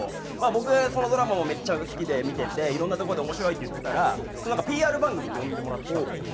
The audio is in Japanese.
僕そのドラマもめっちゃ好きで見てていろんなとこで「面白い」って言ってたらＰＲ番組に呼んでもらったんですよ